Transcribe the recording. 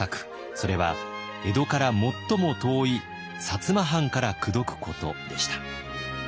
それは江戸から最も遠い摩藩から口説くことでした。